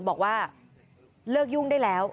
บอกว่าเลิกยุ่งได้แล้ว